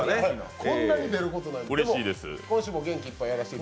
こんなに出ることなんて。